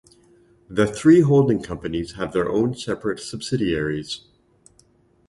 The three holding companies have their own separate subsidiaries.